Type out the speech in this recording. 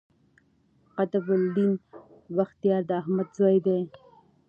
قطب الدین بختیار د احمد زوی دﺉ.